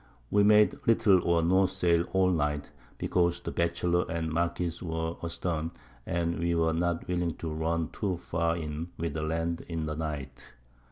We made little or no Sail all Night, because the Batchelor and Marquiss were a stern, and we were not willing to run too far in with the Land in the Night.